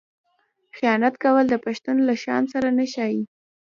خیانت کول د پښتون له شان سره نه ښايي.